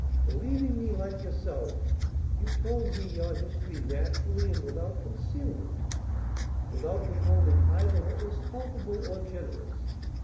"Believing me like yourself, you told me your history naturally and without concealment, without withholding either what was culpable or generous.